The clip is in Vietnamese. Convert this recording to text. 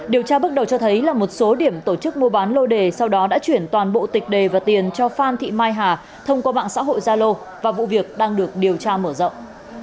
điều tra bước đầu cho thấy là một số điểm tổ chức mua bán lô đề sau đó đã chuyển toàn bộ tịch đề và tiền cho phan thị mai hà thông qua mạng xã hội zalo và vụ việc đang được điều tra mở rộng